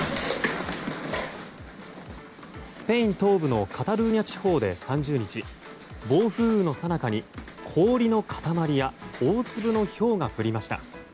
スペイン東部のカタルーニャ地方で３０日暴風雨のさなかに氷の塊や大粒のひょうが降りました。